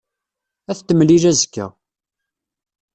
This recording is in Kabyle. Ad t-temlil azekka.